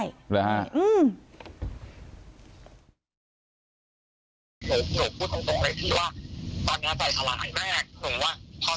อยู่ด้วยกันยังไงครับในบ้านครับก็คือตลอดว่าเออเนี่ยเราไม่ได้อยู่ด้วยกันแล้วนะไม่ได้อยู่ด้วยกันแล้วนะครับ